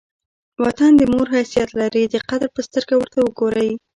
وطن د مور حیثیت لري؛ د قدر په سترګه ور ته ګورئ!